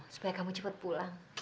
supaya kamu cepet pulang